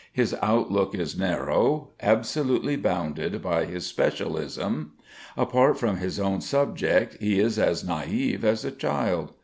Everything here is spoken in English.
His outlook is narrow, absolutely bounded by his specialism. Apart from his own subject he is as naive as a child.